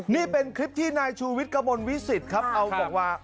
นี่เป็นคลิปที่นายชูวิทย์กระมวลวิสิตครับเอาบอกว่า